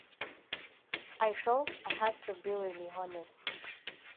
I felt I had to be really honest.